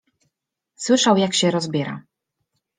Słyszał, jak się rozbiera.